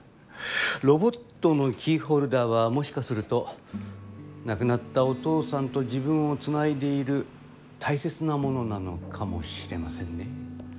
ロボットのキーホルダーはもしかすると亡くなったお父さんと自分をつないでいるたいせつなものなのかもしれませんね。